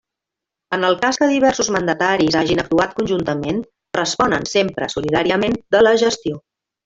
En el cas que diversos mandataris hagin actuat conjuntament, responen sempre solidàriament de la gestió.